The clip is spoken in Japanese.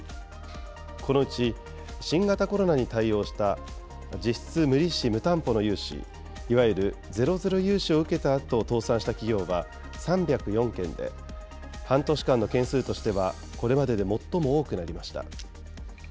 このうち新型コロナに対応した実質無利子・無担保の融資、いわゆるゼロゼロ融資を受けたあと倒産した企業は３０４件で、半年間の件数としてはこれまでで最も多くなりました。